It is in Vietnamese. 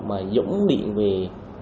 mà dũng điện về